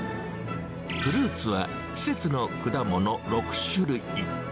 フルーツは、季節の果物６種類。